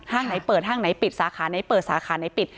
ไหนเปิดห้างไหนปิดสาขาไหนเปิดสาขาไหนปิด